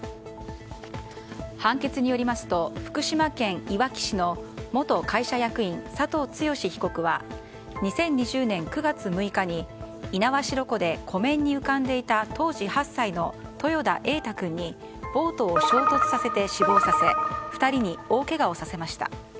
判決によりますと福島県いわき市の元会社役員佐藤剛被告は２０２０年９月６日に猪苗代湖で湖面に浮かんでいた当時８歳の豊田瑛大君にボートを衝突させて死亡させ２人に大けがをさせました。